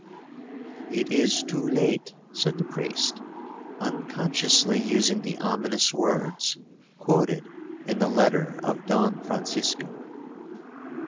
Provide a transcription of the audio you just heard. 'It is too late,' said the priest, unconsciously using the ominous words quoted in the letter of Don Francisco.'